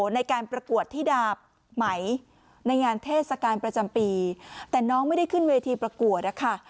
ในการประกวดธิดาบไหมในงานเทศกาลประจำปีแต่น้องไม่ได้ขึ้นเวทีประกวดนะคะ